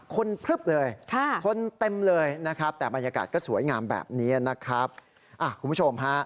พลึบเลยคนเต็มเลยนะครับแต่บรรยากาศก็สวยงามแบบนี้นะครับคุณผู้ชมฮะ